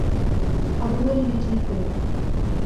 آب عمر انٹهیک کرے گا